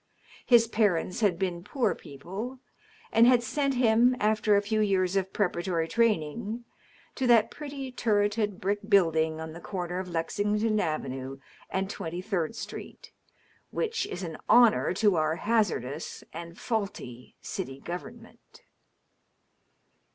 His parents had been poor people, and had sent him, after a few years of preparatory training, to that pretty, turreted brick building on the corner of Lexington Avenue and Twenty Third Street, which is an honor to our" hazardous and faulty city government.